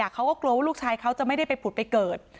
เขาก็กลัวว่าลูกชายเขาจะไม่ได้ไปผุดไปเกิด